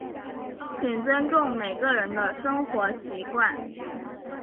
请尊重每个人的生活习惯。